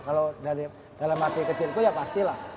kalau dari dalam hati kecilku ya pasti lah